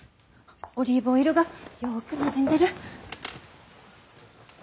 オリーブオイルがよくなじんでる。